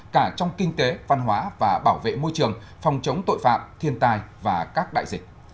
cả trong kinh tế văn hóa và bảo vệ môi trường phòng chống tội phạm thiên tai và các đại dịch